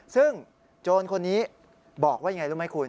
ซึ่งโจรคนนี้บอกว่ายังไงรู้ไหมคุณ